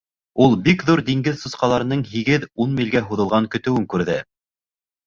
Ул бик ҙур диңгеҙ сусҡаларының һигеҙ-ун милгә һуҙылған көтөүен күрҙе.